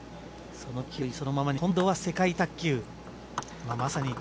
その勢いそのままに、今度は世界卓球。